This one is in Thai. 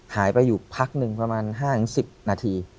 หายไปอยู่พักหนึ่งประมาณ๕๑๐นาที